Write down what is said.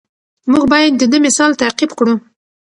موږ باید د ده مثال تعقیب کړو.